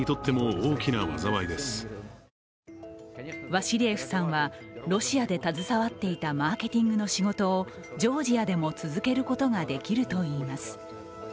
ワシリエフさんはロシアで携わっていたマーケティングの仕事をジョージアでも続けることができるといいます。